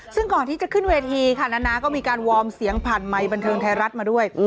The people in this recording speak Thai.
ซึ่งก่อนที่จะขึ้นเวทีค่ะนานาก็มีการวอร์มเสียงผ่านไมค์บันเทิงไทยรัฐมาด้วย